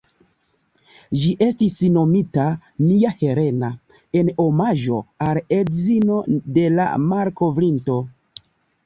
Ĝi estis nomita ""Mia Helena"" en omaĝo al la edzino de la malkovrinto.